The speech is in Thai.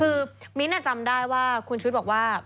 คือมิ้นท์จำได้ว่าคุณชุดบอกว่า